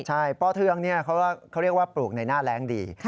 ใช่ป่อเทืองเขาเรียกว่าปลูกในหน้าแรงดี